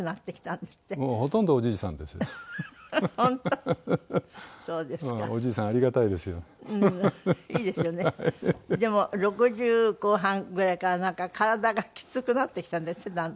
でも６０後半ぐらいからなんか体がきつくなってきたんですって？